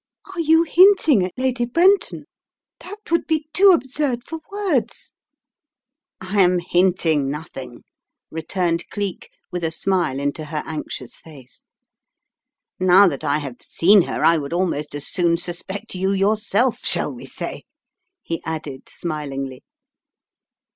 "Are you hinting at Lady Brenton? That would be too absurd for words!" "I am hinting nothing," returned Cleek with a smile into her anxious face. "Now that I have seen her I would almost as soon suspect you yourself, shall we say," he added, smilingly.